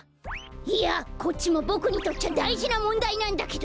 いやこっちもボクにとっちゃだいじなもんだいなんだけど！